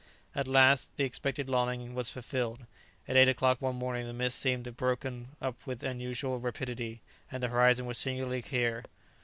At last, the expected longing was fulfilled. At eight o'clock one morning the mists seemed broken up with unusual rapidity, and the horizon was singularly clear.